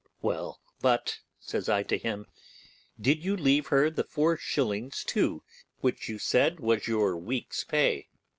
'Well, but', says I to him, 'did you leave her the four shillings too, which you said was your week's pay?